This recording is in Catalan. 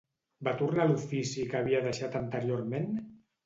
Va tornar a l'ofici que havia deixat anteriorment?